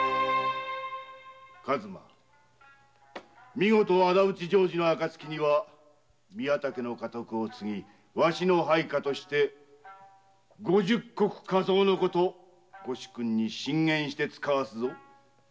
見事仇討ち成就の暁には宮田家の家督を継ぎわしの配下として五十石加増のこと御主君に進言して遣わす。